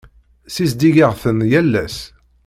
Ssizdigeɣ-ten yal ass.